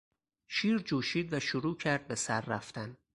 شیر جوشید و شروع کرد به سر رفتن.